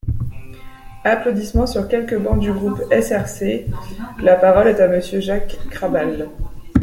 (Applaudissements sur quelques bancs du groupe SRC.) La parole est à Monsieur Jacques Krabal.